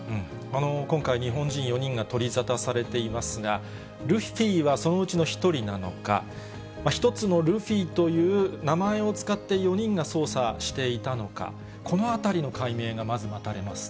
今回、日本人４人が取り沙汰されていますが、ルフィはそのうちの１人なのか、１つのルフィという名前を使って４人が捜査していたのか、このあたりの解明が、まず待たれますね。